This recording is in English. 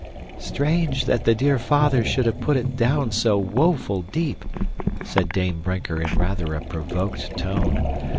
"Strange that the dear father should have put it down so woeful deep," said Dame Brinker in rather a provoked tone.